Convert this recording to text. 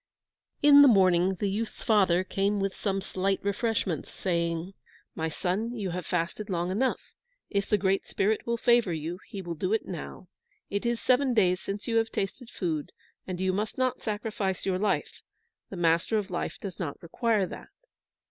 In the morning the youth's father came with some slight refreshments, saying, "My son, you have fasted long enough. If the Great Spirit will favour you, he will do it now. It is seven days since you have tasted food, and you must not sacrifice your life. The Master of Life does not require that."